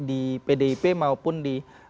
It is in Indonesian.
di pdip maupun di